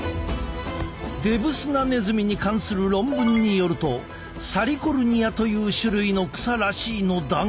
デブスナネズミに関する論文によるとサリコルニアという種類の草らしいのだが。